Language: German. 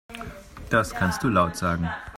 Das kannst du laut sagen.